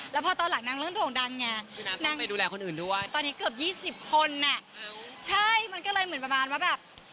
แล้วพอตอนหลังเรื่องต่องดังเนี่ยตอนนี้เกือบ๒๐คนแหละใช่มันก็เลยเหมือนประมาณว่าแบบ